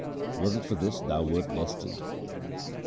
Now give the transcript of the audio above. Was it for this thou wert destined